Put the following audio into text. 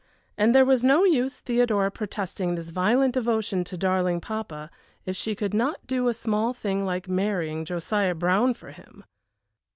and there was no use Theodora protesting this violent devotion to darling papa, if she could not do a small thing like marrying Josiah Brown for him!